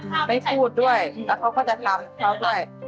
ไม่พูดด้วยแล้วเขาก็จะทำเขาด้วย